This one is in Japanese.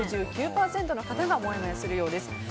６９％の方がもやもやするようです。